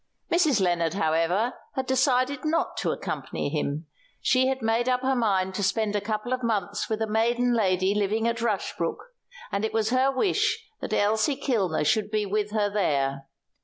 Mrs. Lennard, however, had decided not to accompany him; she had made up her mind to spend a couple of months with a maiden lady living at Rushbrook, and it was her wish that Elsie Kilner should be with her there.